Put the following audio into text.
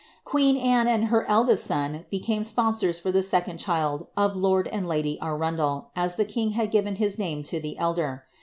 Qjueen Anne and her eldest son be came sponsors for the second son of lord and lady Arundel, as the kinff had given his name to the elder.